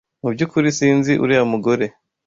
Mu byukuri sinzi uriya mugore.